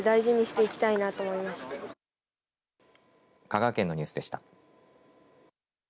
香川県のニュースでした。